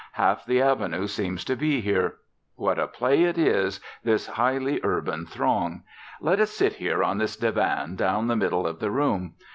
Half the Avenue seems to be here. What a play it is, this highly urban throng! Let us sit here on this divan down the middle of the room.